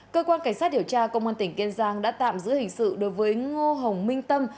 cơ quan cảnh sát điều tra công an tỉnh kiên giang đã tạm giữ hình sự đối với ngô hồng minh tâm